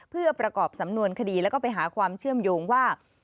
เพื่อประกอบสำนวนคดีแล้วก็ไปหาความเชื่อมโยงว่า